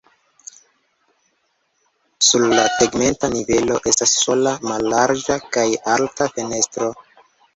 Sur la tegmenta nivelo estas sola mallarĝa kaj alta fenestro.